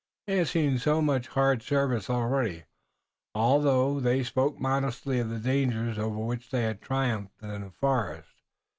They had seen much hard service already, although they spoke modestly of the dangers over which they had triumphed in the forest.